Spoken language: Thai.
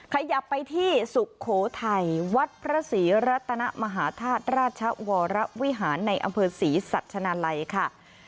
ขยับไปที่สุโขทัยวัดพระศรีรัตนมหาธาตุราชวรวิหารในอำเภอศรีสัชนาลัยค่ะ